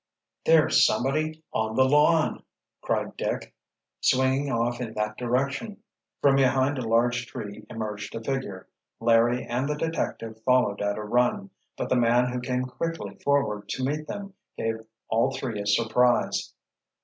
"There's somebody—on the lawn!" cried Dick, swinging off in that direction. From behind a large tree emerged a figure. Larry and the detective followed at a run. But the man who came quickly forward to meet them gave all three a surprise.